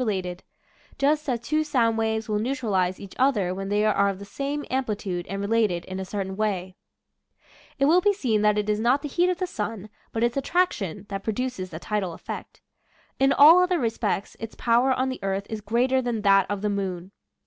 Original from UNIVERSITY OF WISCONSIN Zbe Sun's Wags. 1C5 lated, just as two sound waves will neutralize each other when they are of the same ampli tude and related in a certain way. It will be seen that it is not the heat of the sun, but its attraction, that produces the tidal effect. In all other respects its power on the earth is greater than that of the moon.